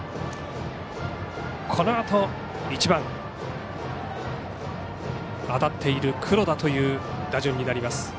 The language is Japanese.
このあと１番は当たっている黒田という打順になります。